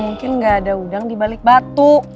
gak mungkin gak ada udang di balik batu